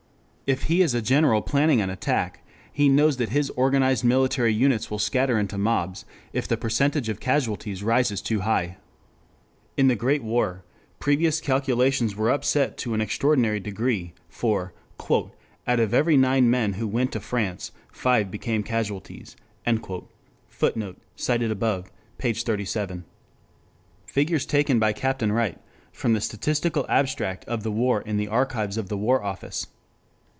If he is a general planning an attack, he knows that his organized military units will scatter into mobs if the percentage of casualties rises too high. In the Great War previous calculations were upset to an extraordinary degree, for "out of every nine men who went to France five became casualties." [Footnote: Op. cit., p. 37. Figures taken by Captain Wright from the statistical abstract of the war in the Archives of the War Office.